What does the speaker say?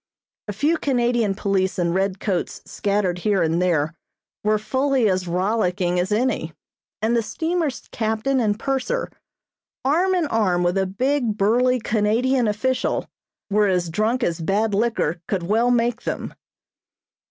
A few Canadian police in red coats scattered here and there were fully as rollicking as any, and the steamer's captain and purser, arm in arm with a big, burly Canadian official, were as drunk as bad liquor could well make them.